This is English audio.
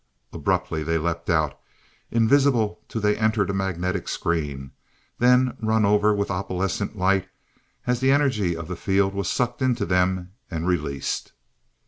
Abruptly they leapt out, invisible till they entered a magnetic screen, then run over with opalescent light as the energy of the field was sucked into them and released.